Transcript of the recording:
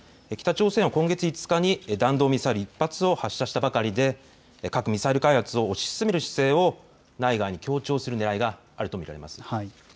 北朝鮮は今月５日に弾道ミサイル１発を発射したばかりで核・ミサイル開発を推し進める姿勢を内外に強調するねらいがあると見られます。